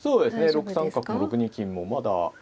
６三角６二金もまだ。